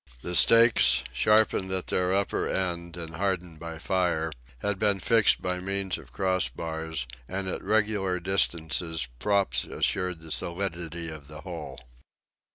The stakes, sharpened at their upper end and hardened by fire, had been fixed by means of cross bars, and at regular distances props assured the solidity of the whole.